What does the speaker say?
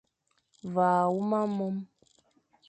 Ve a huma mome,